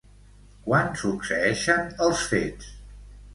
Quan succeeixen els fets?